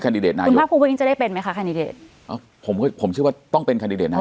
คันดิเดตนายกจะได้เป็นไหมคะคันดิเดตอ๋อผมก็ผมเชื่อว่าต้องเป็นคันดิเดต